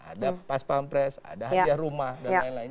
ada pas pampres ada hadiah rumah dan lain lain